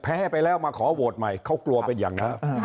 แพ้ไปแล้วมาขอโหวตใหม่เขากลัวเป็นอย่างนั้น